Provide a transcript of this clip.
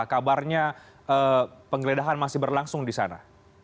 kabarnya penggeledahan masih berlangsung di sana